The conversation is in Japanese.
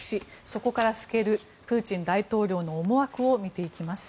そこから透けるプーチン大統領の思惑を見ていきます。